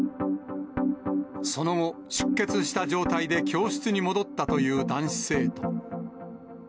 その後、出血した状態で教室に戻ったという男子生徒。